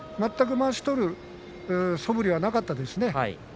全くまわしを取るそぶりはなかったですね。